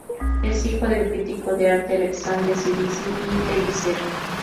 Es hijo del crítico de arte Alexandre Cirici i Pellicer.